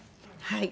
はい。